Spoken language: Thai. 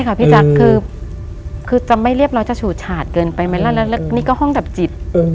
พี่แจ๊คคือจะไม่เรียบร้อยจะฉูดฉาดเกินไปไหมล่ะแล้วนี่ก็ห้องดับจิต